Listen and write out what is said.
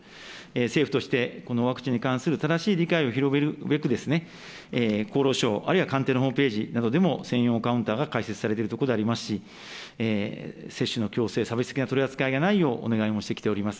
政府として、このワクチンに関する正しい理解を広めるべく、厚労省、あるいは官邸のホームページなどでも専用カウンターが開設されているところでありますし、接種の強制、差別的な取り扱いがないようお願いもしてきております。